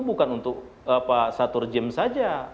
bukan untuk satu rejim saja